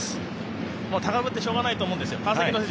高ぶってしょうがないと思うんですよ。